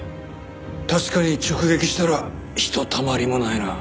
確かに直撃したらひとたまりもないな。